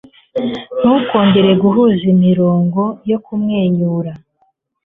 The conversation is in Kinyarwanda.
Ntukongere guhuza imirongo yo kumwenyura